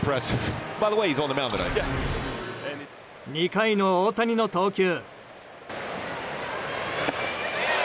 ２回の大谷の投球。